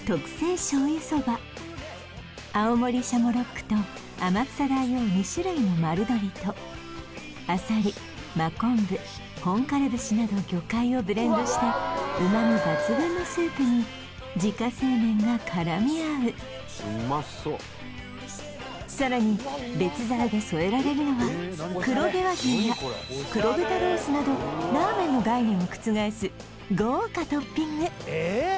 青森シャモロックと天草大王２種類の丸鶏とあさり真昆布本枯節など魚介をブレンドした旨み抜群のスープに自家製麺がからみ合ううまそうさらに別皿で添えられるのは黒毛和牛や黒豚ロースなどラーメンの概念を覆す豪華トッピングえーっ